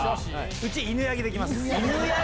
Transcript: うち、犬ヤギできます。